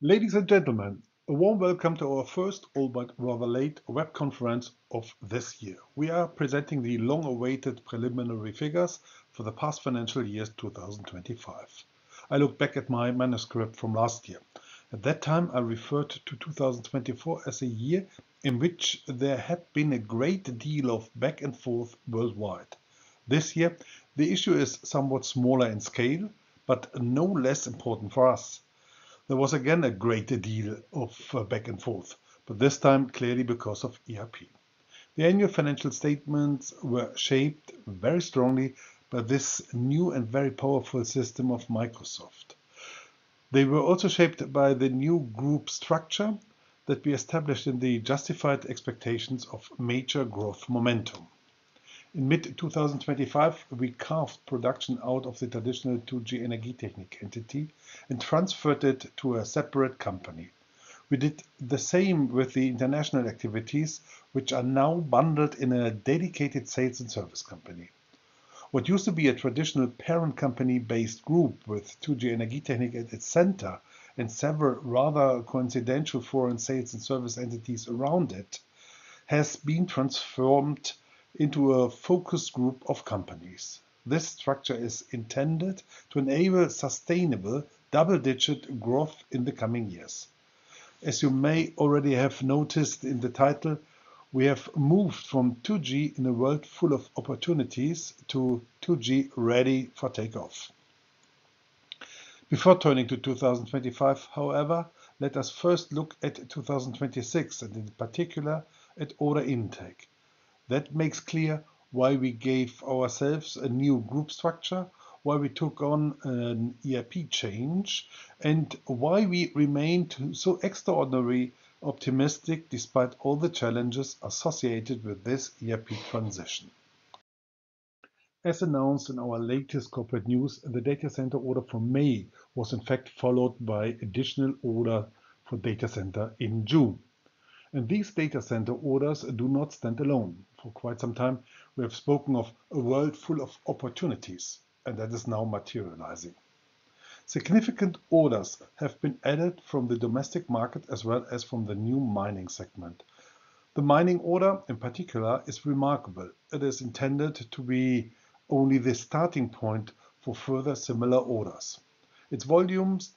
Ladies and gentlemen, a warm welcome to our first, albeit rather late, web conference of this year. We are presenting the long-awaited preliminary figures for the past financial year 2025. I look back at my manuscript from last year. At that time, I referred to 2024 as a year in which there had been a great deal of back and forth worldwide. This year, the issue is somewhat smaller in scale, but no less important for us. There was again a great deal of back and forth, but this time clearly because of ERP. The annual financial statements were shaped very strongly by this new and very powerful system of Microsoft. They were also shaped by the new group structure that we established in the justified expectations of major growth momentum. In mid-2025, we carved production out of the traditional 2G Energietechnik entity and transferred it to a separate company. We did the same with the international activities, which are now bundled in a dedicated sales and service company. What used to be a traditional parent company-based group with 2G Energietechnik at its center and several rather coincidental foreign sales and service entities around it has been transformed into a focus group of companies. This structure is intended to enable sustainable double-digit growth in the coming years. As you may already have noticed in the title, we have moved from 2G in a world full of opportunities to 2G ready for takeoff. Before turning to 2025, however, let us first look at 2026 and in particular at order intake. That makes clear why we gave ourselves a new group structure, why we took on an ERP change, and why we remained so extraordinarily optimistic despite all the challenges associated with this ERP transition. As announced in our latest corporate news, the data center order from May was in fact followed by additional order for data center in June. These data center orders do not stand alone. For quite some time, we have spoken of a world full of opportunities and that is now materializing. Significant orders have been added from the domestic market as well as from the new mining segment. The mining order in particular is remarkable. It is intended to be only the starting point for further similar orders. Its volumes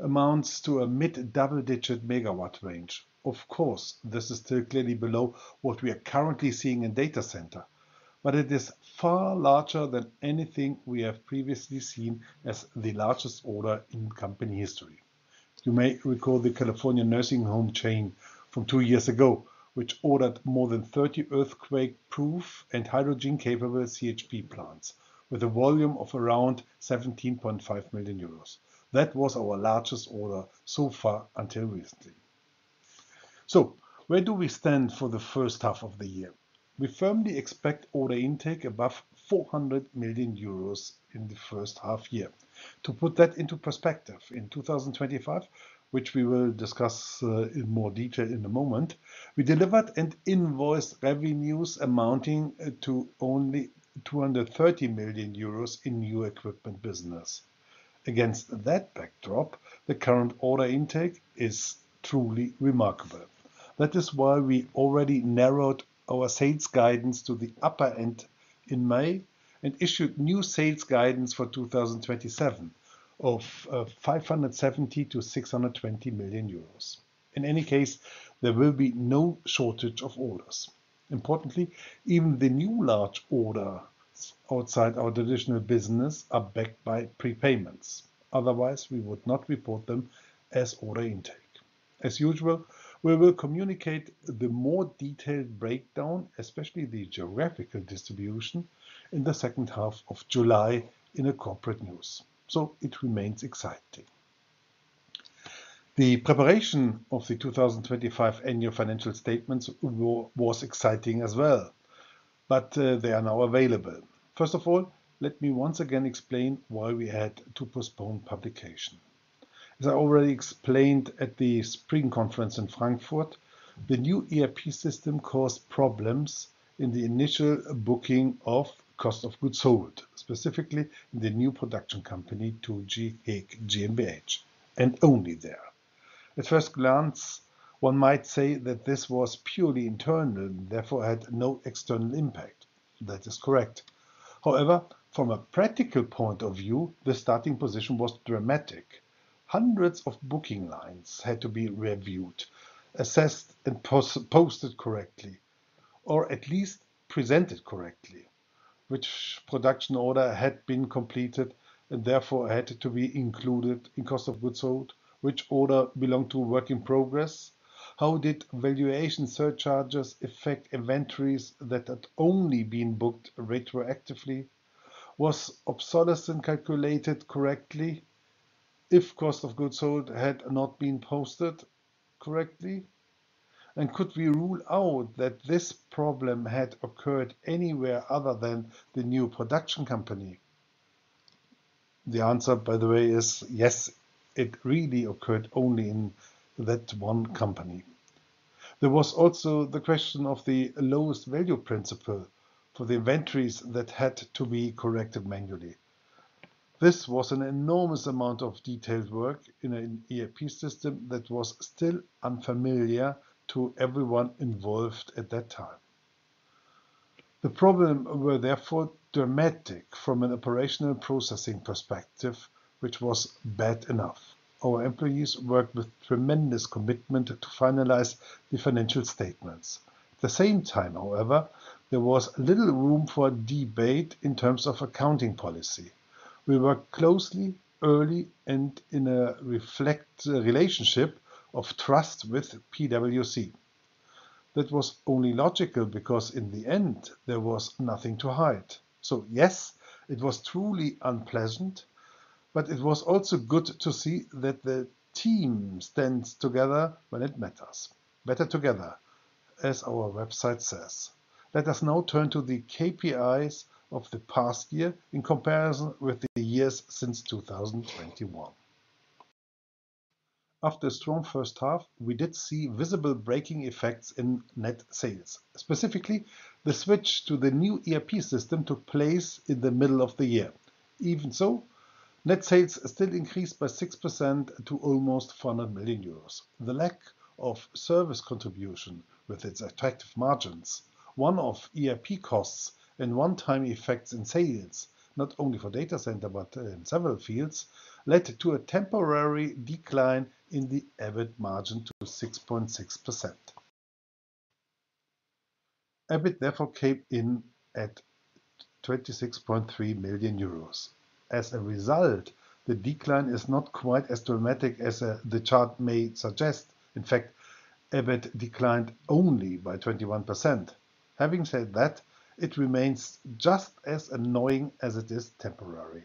amounts to a mid-double-digit megawatt range. Of course, this is still clearly below what we are currently seeing in data center, but it is far larger than anything we have previously seen as the largest order in company history. You may recall the California nursing home chain from two years ago, which ordered more than 30 earthquake-proof and hydrogen-capable CHP plants with a volume of around 17.5 million euros. That was our largest order so far until recently. Where do we stand for the first half of the year? We firmly expect order intake above 400 million euros in the first half year. To put that into perspective, in 2025, which we will discuss in more detail in a moment, we delivered and invoiced revenues amounting to only 230 million euros in new equipment business. Against that backdrop, the current order intake is truly remarkable. That is why we already narrowed our sales guidance to the upper end in May and issued new sales guidance for 2027 of 570 million-620 million euros. In any case, there will be no shortage of orders. Importantly, even the new large orders outside our traditional business are backed by prepayments. Otherwise, we would not report them as order intake. As usual, we will communicate the more detailed breakdown, especially the geographical distribution, in the second half of July in a corporate news. It remains exciting. The preparation of the 2025 annual financial statements was exciting as well, but they are now available. First of all, let me once again explain why we had to postpone publication. As I already explained at the Spring Conference in Frankfurt, the new ERP system caused problems in the initial booking of cost of goods sold, specifically in the new production company, 2G Heek GmbH, and only there. At first glance, one might say that this was purely internal and therefore had no external impact. That is correct. From a practical point of view, the starting position was dramatic. Hundreds of booking lines had to be reviewed, assessed, and posted correctly, or at least presented correctly. Which production order had been completed and therefore had to be included in cost of goods sold? Which order belonged to work in progress? How did valuation surcharges affect inventories that had only been booked retroactively? Was obsolescence calculated correctly if cost of goods sold had not been posted correctly? Could we rule out that this problem had occurred anywhere other than the new production company? The answer, by the way, is yes. It really occurred only in that one company. There was also the question of the lowest value principle for the inventories that had to be corrected manually. This was an enormous amount of detailed work in an ERP system that was still unfamiliar to everyone involved at that time. The problems were therefore dramatic from an operational processing perspective, which was bad enough. Our employees worked with tremendous commitment to finalize the financial statements. At the same time, however, there was little room for debate in terms of accounting policy. We worked closely, early, and in a reflect relationship of trust with PwC. That was only logical because, in the end, there was nothing to hide. Yes, it was truly unpleasant, but it was also good to see that the team stands together when it matters. Better together, as our website says. Let us now turn to the KPIs of the past year in comparison with the years since 2021. After a strong first half, we did see visible braking effects in net sales. Specifically, the switch to the new ERP system took place in the middle of the year. Even so, net sales still increased by 6% to almost 400 million euros. The lack of service contribution with its effective margins, one-off ERP costs, and one-time effects in sales, not only for data center but in several fields, led to a temporary decline in the EBIT margin to 6.6%. EBIT therefore came in at 26.3 million euros. As a result, the decline is not quite as dramatic as the chart may suggest. In fact, EBIT declined only by 21%. Having said that, it remains just as annoying as it is temporary.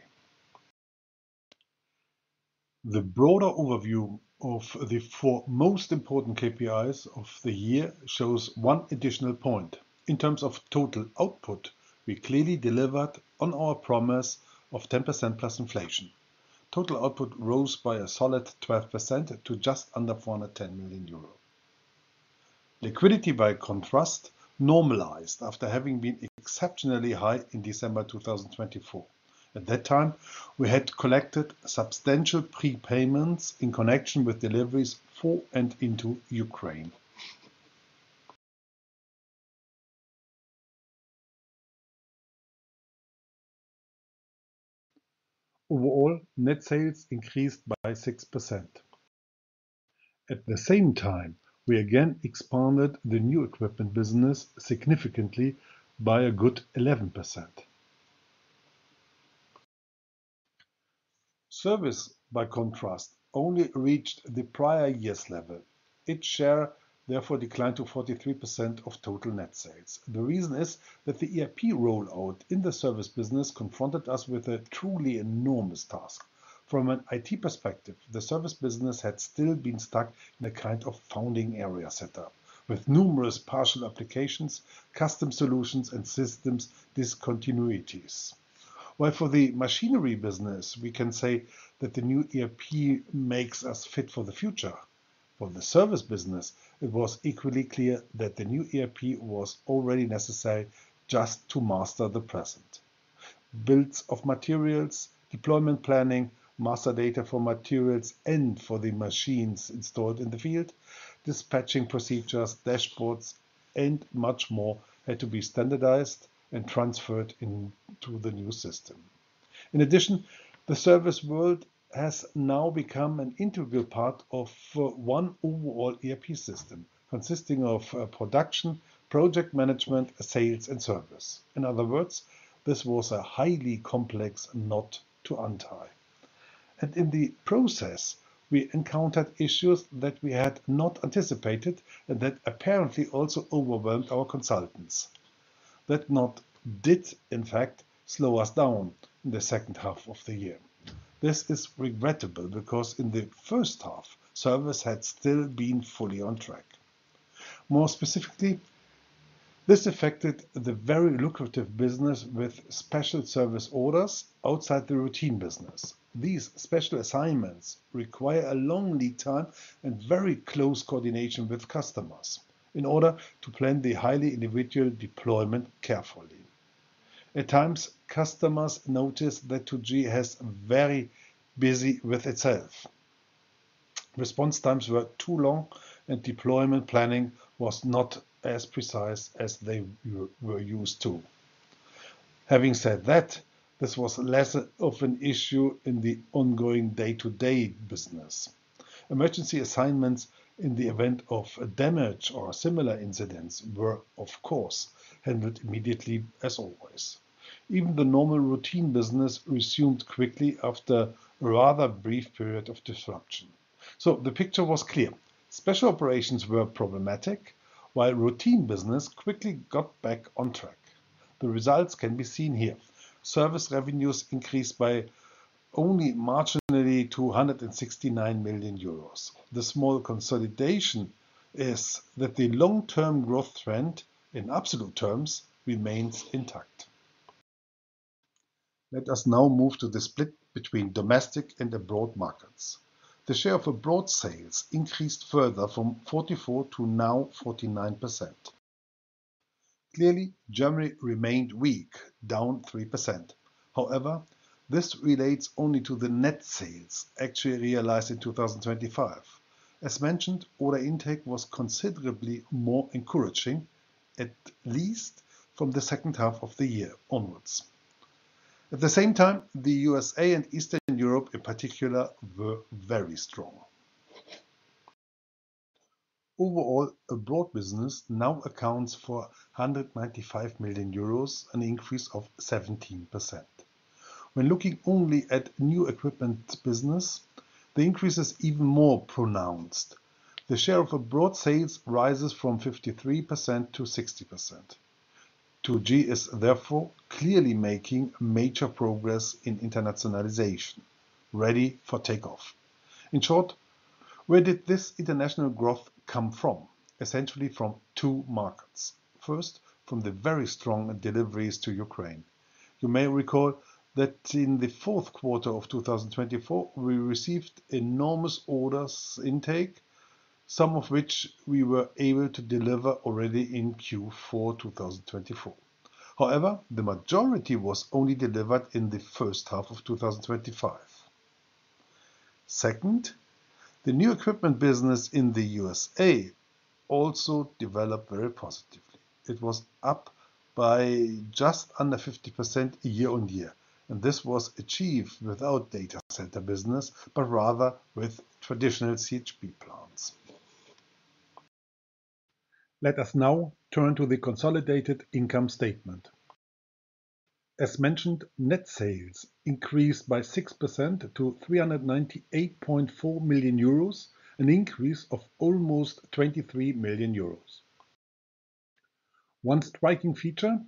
The broader overview of the four most important KPIs of the year shows one additional point. In terms of total output, we clearly delivered on our promise of 10% plus inflation. Total output rose by a solid 12% to just under 410 million euro. Liquidity, by contrast, normalized after having been exceptionally high in December 2024. At that time, we had collected substantial prepayments in connection with deliveries for and into Ukraine. Overall, net sales increased by 6%. At the same time, we again expanded the new equipment business significantly by a good 11%. Service, by contrast, only reached the prior year's level. Its share therefore declined to 43% of total net sales. The reason is that the ERP rollout in the service business confronted us with a truly enormous task. From an IT perspective, the service business had still been stuck in a kind of founding area setup with numerous partial applications, custom solutions, and systems discontinuities. While for the machinery business, we can say that the new ERP makes us fit for the future. For the service business, it was equally clear that the new ERP was already necessary just to master the present. Bills of materials, deployment planning, master data for materials and for the machines installed in the field, dispatching procedures, dashboards, and much more had to be standardized and transferred into the new system. In addition, the service world has now become an integral part of one overall ERP system consisting of production, project management, sales, and service. In other words, this was a highly complex knot to untie. In the process, we encountered issues that we had not anticipated and that apparently also overwhelmed our consultants. That knot did in fact slow us down in the second half of the year. This is regrettable because in the first half, service had still been fully on track. More specifically, this affected the very lucrative business with special service orders outside the routine business. These special assignments require a long lead time and very close coordination with customers in order to plan the highly individual deployment carefully. At times, customers noticed that 2G was very busy with itself. Response times were too long and deployment planning was not as precise as they were used to. Having said that, this was less of an issue in the ongoing day-to-day business. Emergency assignments in the event of damage or similar incidents were, of course, handled immediately as always. Even the normal routine business resumed quickly after a rather brief period of disruption. The picture was clear. Special operations were problematic, while routine business quickly got back on track. The results can be seen here. Service revenues increased by only marginally to 169 million euros. The small consolidation is that the long-term growth trend in absolute terms remains intact. Let us now move to the split between domestic and abroad markets. The share of abroad sales increased further from 44% to now 49%. Clearly, Germany remained weak, down 3%. However, this relates only to the net sales actually realized in 2025. As mentioned, order intake was considerably more encouraging, at least from the second half of the year onwards. At the same time, the U.S. and Eastern Europe in particular, were very strong. Overall, abroad business now accounts for 195 million euros, an increase of 17%. When looking only at new equipment business, the increase is even more pronounced. The share of abroad sales rises from 53% to 60%. 2G is therefore clearly making major progress in internationalization, ready for takeoff. In short, where did this international growth come from? Essentially, from two markets. First, from the very strong deliveries to Ukraine. You may recall that in the fourth quarter of 2024, we received enormous orders intake, some of which we were able to deliver already in Q4 2024. However, the majority was only delivered in the first half of 2025. Second, the new equipment business in the USA also developed very positively. It was up by just under 50% year-on-year, and this was achieved without data center business, but rather with traditional CHP plants. Let us now turn to the consolidated income statement. As mentioned, net sales increased by 6% to 398.4 million euros, an increase of almost 23 million euros. One striking feature,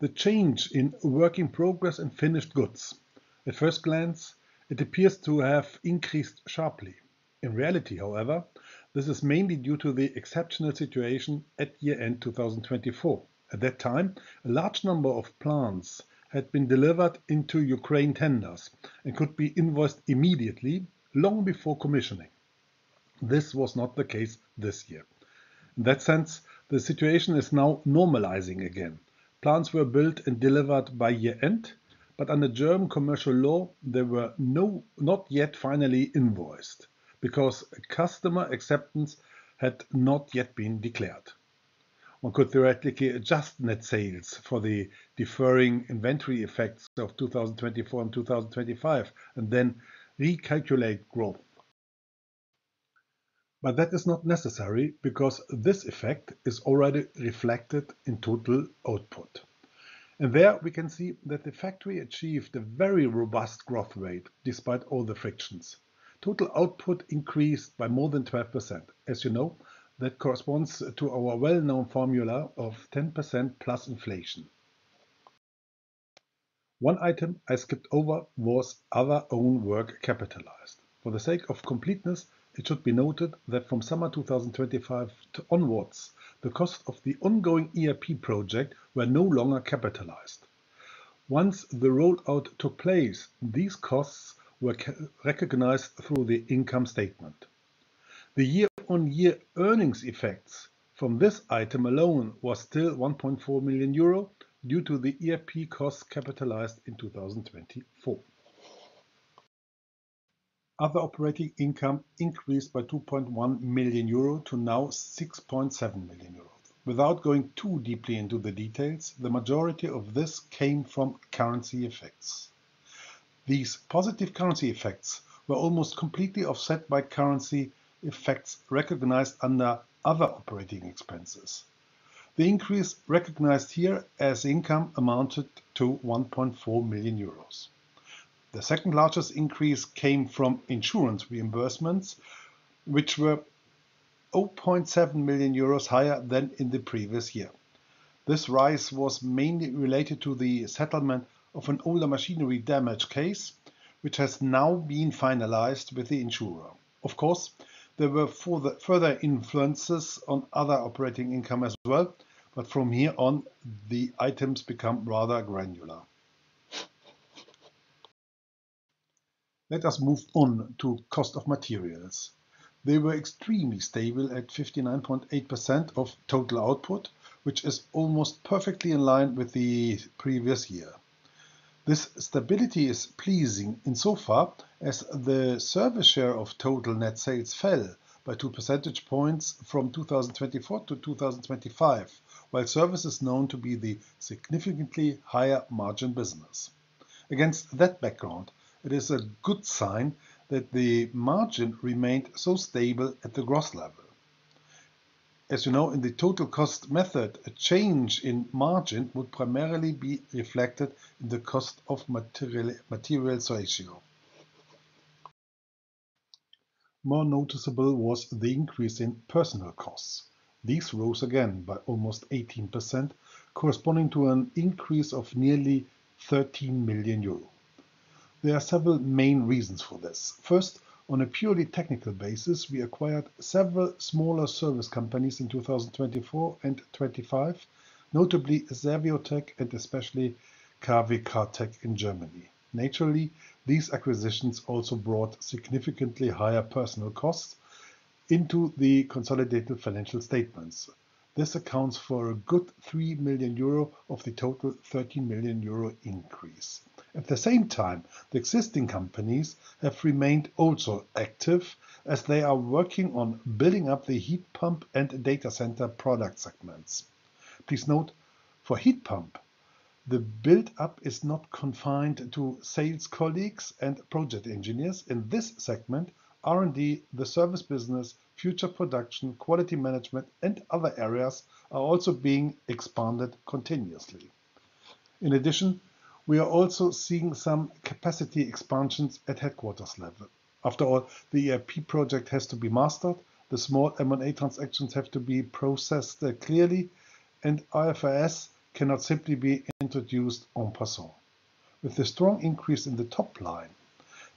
the change in work in progress and finished goods. At first glance, it appears to have increased sharply. In reality, however, this is mainly due to the exceptional situation at year-end 2024. At that time, a large number of plants had been delivered into Ukraine tenders and could be invoiced immediately, long before commissioning. This was not the case this year. In that sense, the situation is now normalizing again. Plants were built and delivered by year-end, but under German commercial law, they were not yet finally invoiced, because customer acceptance had not yet been declared. One could theoretically adjust net sales for the deferring inventory effects of 2024 and 2025, and then recalculate growth. That is not necessary because this effect is already reflected in total output. There we can see that the factory achieved a very robust growth rate despite all the frictions. Total output increased by more than 12%. As you know, that corresponds to our well-known formula of 10% plus inflation. One item I skipped over was other own work capitalized. For the sake of completeness, it should be noted that from summer 2025 onwards, the cost of the ongoing ERP project were no longer capitalized. Once the rollout took place, these costs were recognized through the income statement. The year-on-year earnings effects from this item alone was still 1.4 million euro due to the ERP costs capitalized in 2024. Other operating income increased by 2.1 million euro to now 6.7 million euro. Without going too deeply into the details, the majority of this came from currency effects. These positive currency effects were almost completely offset by currency effects recognized under other operating expenses. The increase recognized here as income amounted to 1.4 million euros. The second largest increase came from insurance reimbursements, which were 0.7 million euros higher than in the previous year. This rise was mainly related to the settlement of an older machinery damage case, which has now been finalized with the insurer. Of course, there were further influences on other operating income as well, but from here on, the items become rather granular. Let us move on to cost of materials. They were extremely stable at 59.8% of total output, which is almost perfectly in line with the previous year. This stability is pleasing insofar as the service share of total net sales fell by two percentage points from 2024 to 2025, while service is known to be the significantly higher margin business. Against that background, it is a good sign that the margin remained so stable at the gross level. As you know, in the total cost method, a change in margin would primarily be reflected in the cost of materials ratio. More noticeable was the increase in personal costs. These rose again by almost 18%, corresponding to an increase of nearly 13 million euro. There are several main reasons for this. First, on a purely technical basis, we acquired several smaller service companies in 2024 and 2025, notably Servitech and especially Kawi Kartech in Germany. Naturally, these acquisitions also brought significantly higher personal costs into the consolidated financial statements. This accounts for a good 3 million euro of the total 13 million euro increase. At the same time, the existing companies have remained also active as they are working on building up the heat pump and data center product segments. Please note, for heat pump, the build-up is not confined to sales colleagues and project engineers. In this segment, R&D, the service business, future production, quality management, and other areas are also being expanded continuously. In addition, we are also seeing some capacity expansions at headquarters level. After all, the ERP project has to be mastered, the small M&A transactions have to be processed clearly, and IFRS cannot simply be introduced en passant. With the strong increase in the top line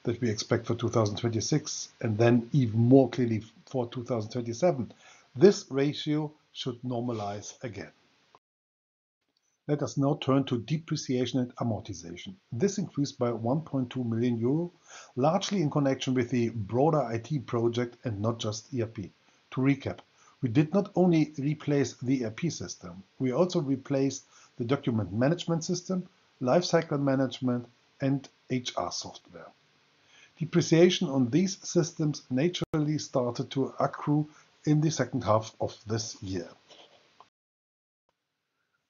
that we expect for 2026 and then even more clearly for 2027, this ratio should normalize again. Let us now turn to depreciation and amortization. This increased by 1.2 million euro, largely in connection with the broader IT project and not just ERP. To recap, we did not only replace the ERP system, we also replaced the document management system, lifecycle management, and HR software. Depreciation on these systems naturally started to accrue in the second half of this year.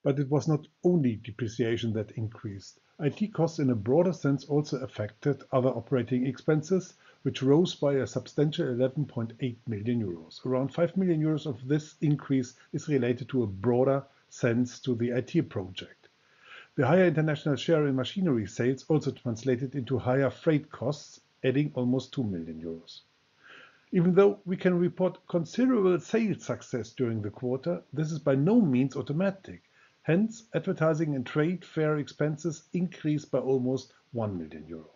It was not only depreciation that increased. IT costs in a broader sense also affected other operating expenses, which rose by a substantial 11.8 million euros. Around 5 million euros of this increase is related to a broader sense to the IT project. The higher international share in machinery sales also translated into higher freight costs, adding almost 2 million euros. Even though we can report considerable sales success during the quarter, this is by no means automatic. Hence, advertising and trade fair expenses increased by almost 1 million euro.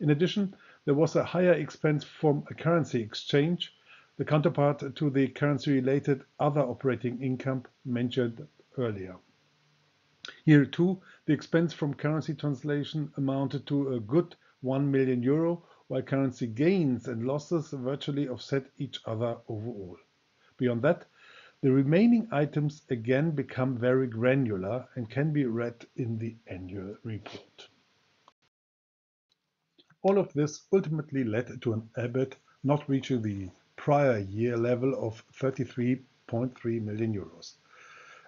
In addition, there was a higher expense from a currency exchange, the counterpart to the currency-related other operating income mentioned earlier. Here too, the expense from currency translation amounted to a good 1 million euro, while currency gains and losses virtually offset each other overall. Beyond that, the remaining items again become very granular and can be read in the annual report. All of this ultimately led to an EBIT not reaching the prior year level of 33.3 million euros.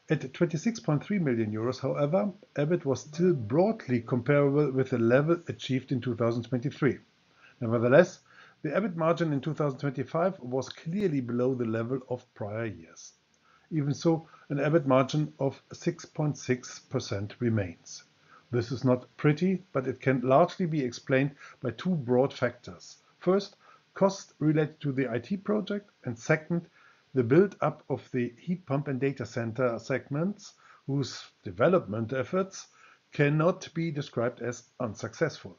At 26.3 million euros, however, EBIT was still broadly comparable with the level achieved in 2023. Nevertheless, the EBIT margin in 2025 was clearly below the level of prior years. Even so, an EBIT margin of 6.6% remains. This is not pretty, but it can largely be explained by two broad factors. First, cost related to the IT project, and second, the build-up of the heat pump and data center segments, whose development efforts cannot be described as unsuccessful.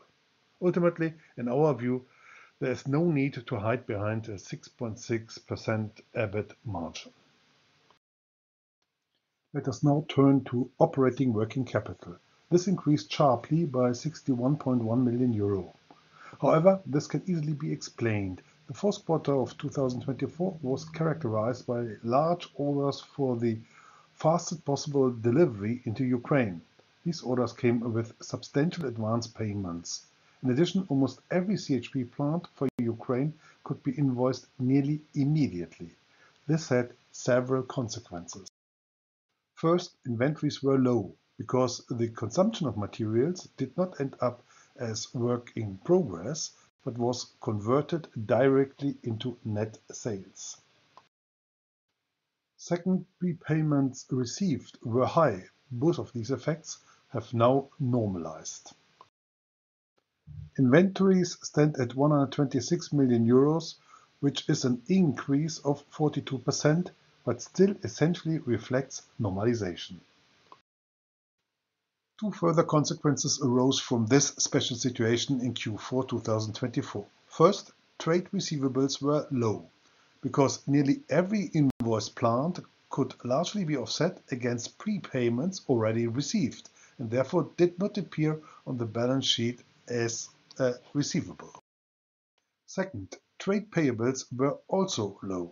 Ultimately, in our view, there is no need to hide behind a 6.6% EBIT margin. Let us now turn to operating working capital. This increased sharply by 61.1 million euro. However, this can easily be explained. The fourth quarter of 2024 was characterized by large orders for the fastest possible delivery into Ukraine. These orders came with substantial advance payments. In addition, almost every CHP plant for Ukraine could be invoiced nearly immediately. This had several consequences. First, inventories were low because the consumption of materials did not end up as work in progress, but was converted directly into net sales. Second, prepayments received were high. Both of these effects have now normalized. Inventories stand at 126 million euros, which is an increase of 42%, but still essentially reflects normalization. Two further consequences arose from this special situation in Q4 2024. First, trade receivables were low because nearly every invoiced plant could largely be offset against prepayments already received and therefore did not appear on the balance sheet as a receivable. Second, trade payables were also low.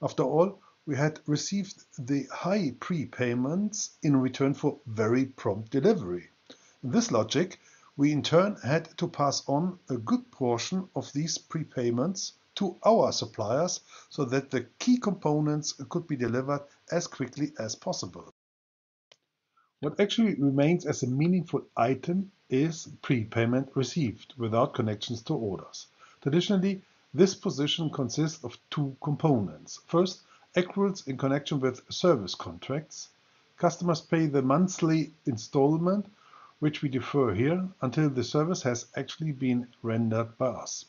After all, we had received the high prepayments in return for very prompt delivery. In this logic, we in turn had to pass on a good portion of these prepayments to our suppliers so that the key components could be delivered as quickly as possible. What actually remains as a meaningful item is prepayment received without connections to orders. Traditionally, this position consists of two components. First, accruals in connection with service contracts. Customers pay the monthly installment, which we defer here until the service has actually been rendered by us.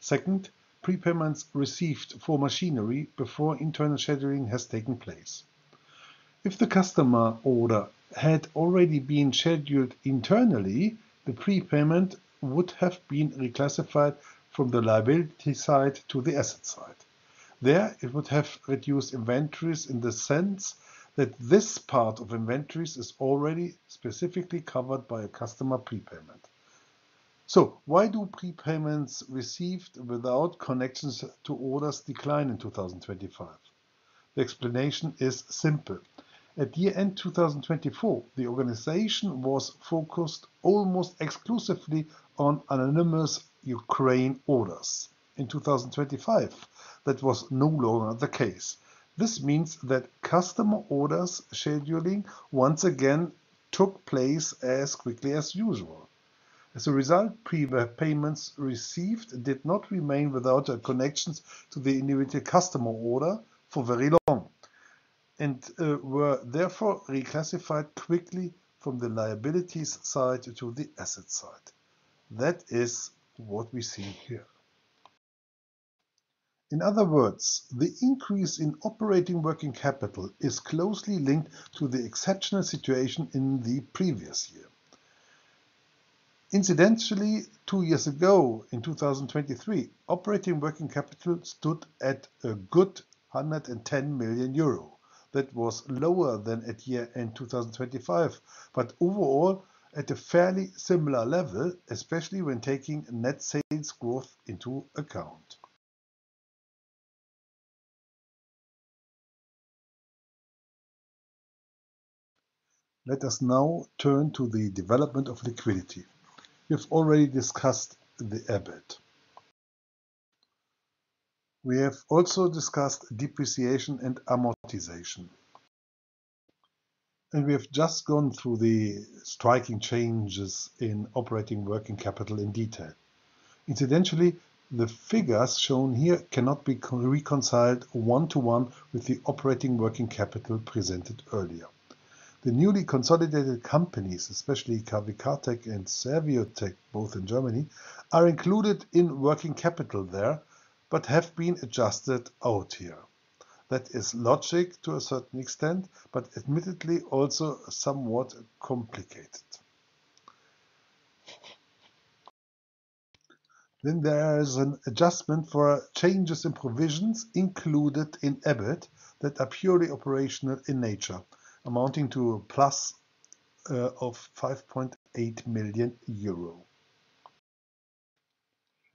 Second, prepayments received for machinery before internal scheduling has taken place. If the customer order had already been scheduled internally, the prepayment would have been reclassified from the liability side to the asset side. There, it would have reduced inventories in the sense that this part of inventories is already specifically covered by a customer prepayment. So why do prepayments received without connections to orders decline in 2025? The explanation is simple. At the end 2024, the organization was focused almost exclusively on anonymous Ukraine orders. In 2025, that was no longer the case. This means that customer orders scheduling once again took place as quickly as usual. As a result, prepayments received did not remain without a connections to the individual customer order for very long and were therefore reclassified quickly from the liabilities side to the asset side. That is what we see here. In other words, the increase in operating working capital is closely linked to the exceptional situation in the previous year. Incidentally, two years ago, in 2023, operating working capital stood at a good 110 million euro. That was lower than at year-end 2025, but overall, at a fairly similar level, especially when taking net sales growth into account. Let us now turn to the development of liquidity. We have already discussed the EBIT. We have also discussed depreciation and amortization. We have just gone through the striking changes in operating working capital in detail. Incidentally, the figures shown here cannot be reconciled one-to-one with the operating working capital presented earlier. The newly consolidated companies, especially Kawi Kartech and Servitech, both in Germany, are included in working capital there but have been adjusted out here. That is logic to a certain extent, but admittedly, also somewhat complicated. Then there is an adjustment for changes in provisions included in EBIT that are purely operational in nature, amounting to a plus of 5.8 million euro.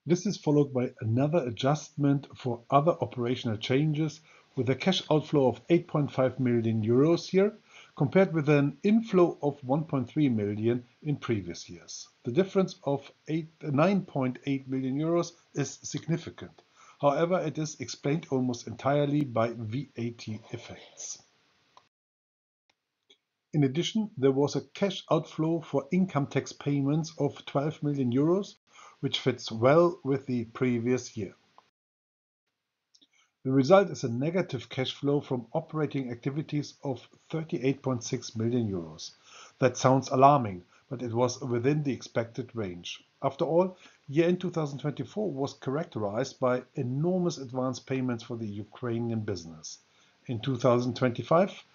This is followed by another adjustment for other operational changes with a cash outflow of 8.5 million euros here, compared with an inflow of 1.3 million in previous years. The difference of 9.8 million euros is significant. However, it is explained almost entirely by VAT effects. In addition, there was a cash outflow for income tax payments of 12 million euros, which fits well with the previous year. The result is a negative cash flow from operating activities of 38.6 million euros. That sounds alarming, but it was within the expected range. After all, year-end 2024 was characterized by enormous advance payments for the Ukrainian business. In 2025,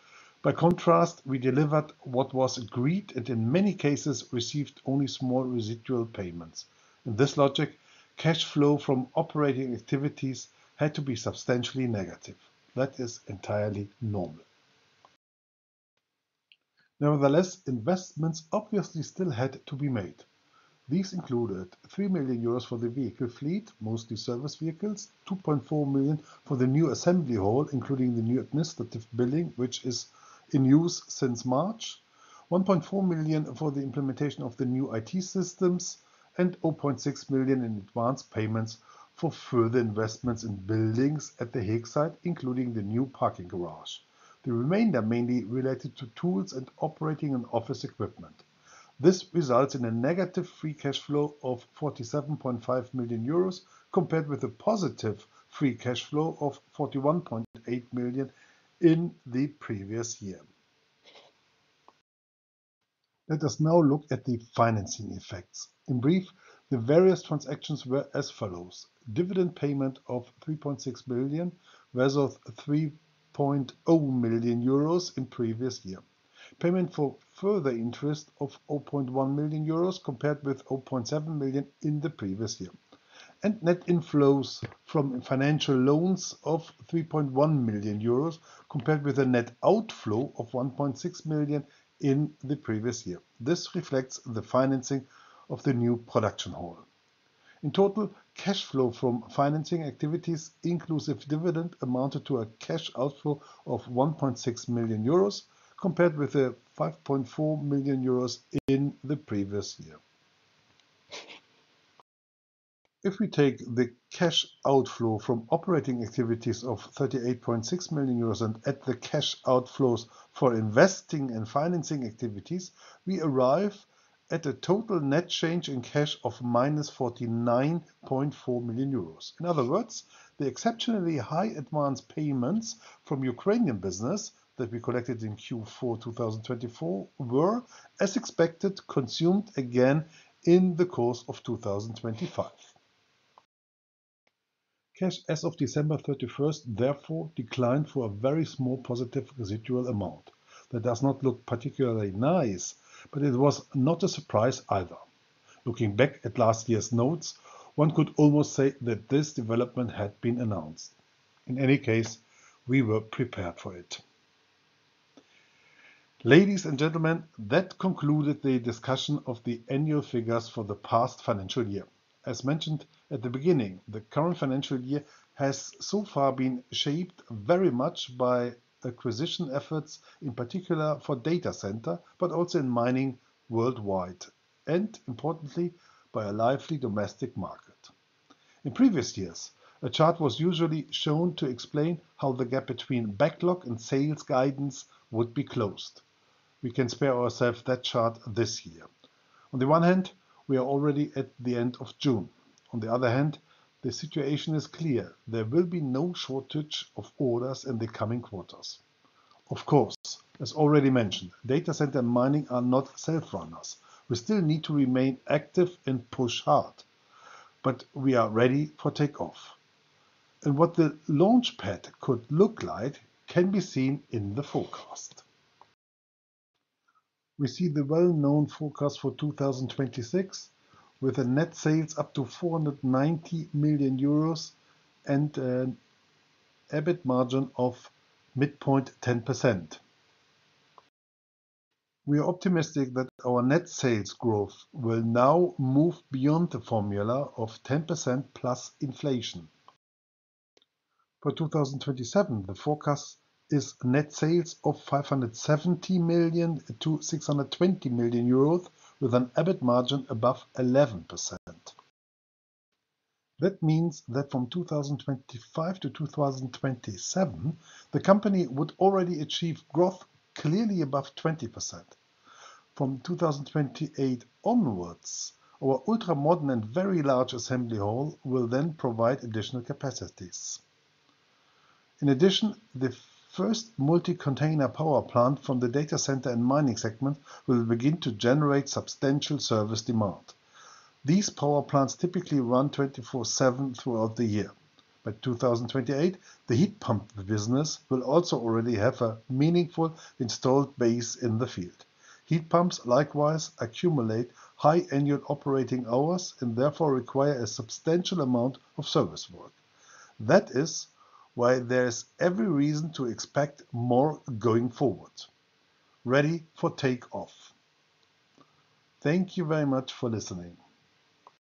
by contrast, we delivered what was agreed and in many cases received only small residual payments. In this logic, cash flow from operating activities had to be substantially negative. That is entirely normal. Nevertheless, investments obviously still had to be made. These included 3 million euros for the vehicle fleet, mostly service vehicles, 2.4 million for the new assembly hall, including the new administrative building, which is in use since March, 1.4 million for the implementation of the new IT systems, and 0.6 million in advance payments for further investments in buildings at Heek site, including the new parking garage. The remainder mainly related to tools and operating and office equipment. This results in a negative free cash flow of 47.5 million euros compared with a positive free cash flow of 41.8 million in the previous year. Let us now look at the financing effects. In brief, the various transactions were as follows. Dividend payment of 3.6 billion, whereas of 3.0 million euros in previous year. Payment for further interest of 0.1 million euros compared with 0.7 million in the previous year. Net inflows from financial loans of 3.1 million euros compared with a net outflow of 1.6 million in the previous year. This reflects the financing of the new production hall. In total, cash flow from financing activities inclusive dividend amounted to a cash outflow of 1.6 million euros compared with 5.4 million euros in the previous year. If we take the cash outflow from operating activities of 38.6 million euros and add the cash outflows for investing and financing activities, we arrive at a total net change in cash of -49.4 million euros. In other words, the exceptionally high advance payments from Ukrainian business that we collected in Q4 2024 were, as expected, consumed again in the course of 2025. Cash as of December 31st, therefore, declined for a very small positive residual amount. That does not look particularly nice, but it was not a surprise either. Looking back at last year's notes, one could almost say that this development had been announced. In any case, we were prepared for it. Ladies and gentlemen, that concluded the discussion of the annual figures for the past financial year. As mentioned at the beginning, the current financial year has so far been shaped very much by acquisition efforts, in particular for data center, but also in mining worldwide, and importantly, by a lively domestic market. In previous years, a chart was usually shown to explain how the gap between backlog and sales guidance would be closed. We can spare ourselves that chart this year. On the one hand, we are already at the end of June. On the other hand, the situation is clear. There will be no shortage of orders in the coming quarters. Of course, as already mentioned, data center and mining are not self-runners. We still need to remain active and push hard, but we are ready for takeoff. What the launchpad could look like can be seen in the forecast. We see the well-known forecast for 2026, with net sales up to 490 million euros and an EBIT margin of midpoint 10%. We are optimistic that our net sales growth will now move beyond the formula of 10% plus inflation. For 2027, the forecast is net sales of 570 million-620 million euros, with an EBIT margin above 11%. That means that from 2025 to 2027, the company would already achieve growth clearly above 20%. Our ultra-modern and very large assembly hall will then provide additional capacities from 2028 onwards. In addition, the first multi-container power plant from the data center and mining segment will begin to generate substantial service demand. These power plants typically run 24/7 throughout the year. By 2028, the heat pump business will also already have a meaningful installed base in the field. Heat pumps likewise accumulate high annual operating hours and therefore require a substantial amount of service work. That is why there is every reason to expect more going forward. Ready for takeoff. Thank you very much for listening.